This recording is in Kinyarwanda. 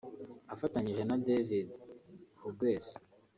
afatanyije na David Hughes